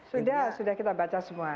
sudah sudah kita baca semua